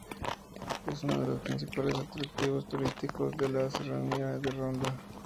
Es uno de los principales atractivos turísticos de la serranía de Ronda.